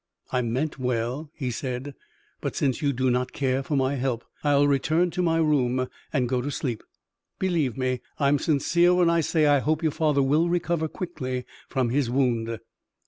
"I meant well," he said, "but, since you do not care for my help, I'll return to my room and go to sleep. Believe me, I'm sincere when I say I hope your father will recover quickly from his wound."